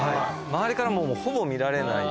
周りからもほぼ見られない。